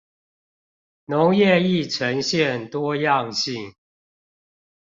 農業亦呈現多樣性